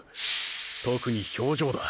特に表情だ。